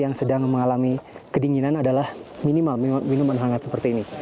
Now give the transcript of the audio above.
yang sedang mengalami kedinginan adalah minimal minuman hangat seperti ini